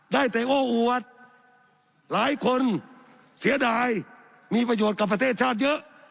ได้แต่โอ้อวดหลายคนเสียดายมีประโยชน์กับประเทศชาติเยอะ